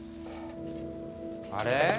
あれ？